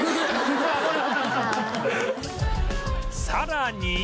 さらに